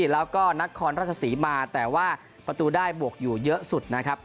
แล้วก็นครราชศรีมาแต่ว่าประตูได้บวกอยู่เยอะสุดนะครับ